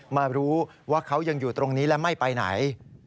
มารู้ว่าเขายังอยู่ตรงนี้และไม่ไปไหน